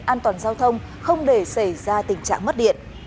an toàn giao thông không để xảy ra tình trạng mất điện